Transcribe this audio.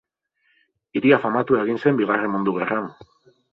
Hiria famatua egin zen Bigarren Mundu Gerran.